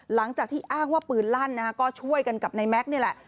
หลังจากที่อ้างว่าปืนลั่นก็ช่วยกันกับนายแม็กซ์นี่แหละ